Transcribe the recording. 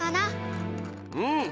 うん。